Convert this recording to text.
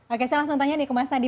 oke saya langsung tanya nih ke mas adi